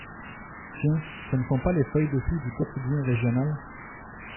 Tiens, ce ne sont pas les feuilles de choux du quotidien régional.